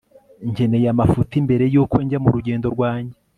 nkeneye amafuti mbere yuko njya murugendo rwanjye